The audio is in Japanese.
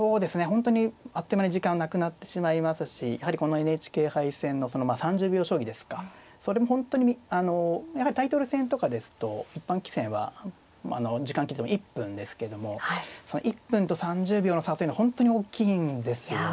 本当にあっという間に時間なくなってしまいますしやはりこのＮＨＫ杯戦のそのまあ３０秒将棋ですかそれも本当にあのやはりタイトル戦とかですと一般棋戦は時間切れても１分ですけどもその１分と３０秒の差というのは本当に大きいんですよね。